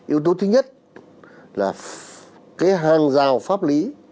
yếu tố thứ nhất là cái hàng rào pháp lý